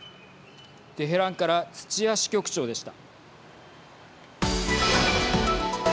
テヘランから土屋支局長でした。